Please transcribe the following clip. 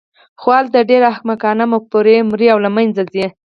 خو هلته ډېرې احمقانه مفکورې مري او له منځه ځي.